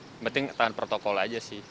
yang penting tahan protokol aja sih